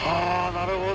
なるほど。